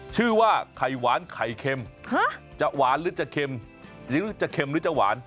ชื่อว่าไข่หวานไข่เค็มจะหวานหรือจะเค็มหรือจะเค็มหรือจะหวาน